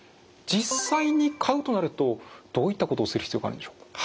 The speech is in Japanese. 実際に買うとなるとどういったことをする必要があるんでしょう？